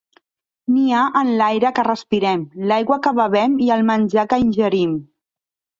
N'hi ha en l'aire que respirem, l'aigua que bevem i el menjar que ingerim.